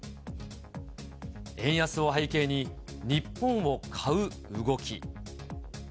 円安を背景に、日本を買う動き。